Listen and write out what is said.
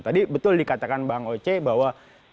tadi betul dikatakan bang oce bahwa